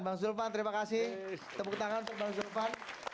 temuk tangan untuk bang zulfan